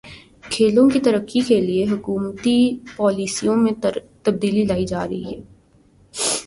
کھیلوں کی ترقی کے لیے حکومتی پالیسیوں میں تبدیلی لائی جا رہی ہے